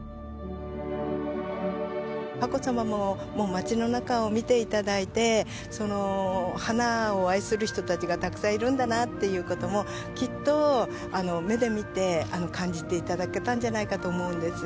佳子さまも町の中を見ていただいて花を愛する人たちがたくさんいるんだなっていうこともきっと目で見て感じていただけたんじゃないかと思うんです。